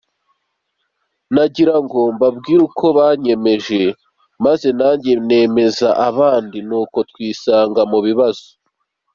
Nagira ngo mbabwire uko banyemeje maze nanjye nemeza abandi, nuko twisanga mu bibazo.